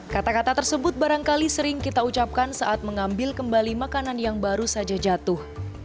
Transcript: kata kata tersebut barangkali sering kita ucapkan saat mengambil kembali makanan yang baru saja jatuh